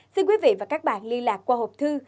xin quý vị và các bạn liên lạc qua hộp thư